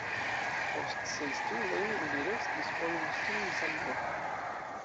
Post siaj studoj li restis por instrui samloke.